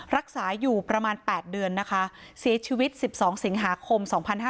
รักษาอยู่ประมาณ๘เดือนนะคะเสียชีวิต๑๒สิงหาคม๒๕๕๙